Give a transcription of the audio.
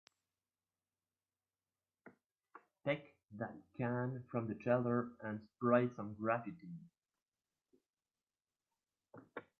Take that can from the shelter and spray some graffiti.